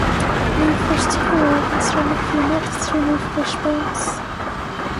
Leave fish to cool and strain the fumet to remove fish bones.